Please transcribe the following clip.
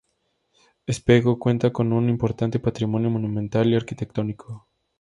Espejo cuenta con un importante patrimonio monumental y arquitectónico.